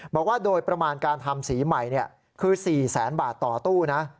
บอกว่าโดยประมาณการทำสีใหม่คือ๔แสนบาทต่อตู้นะ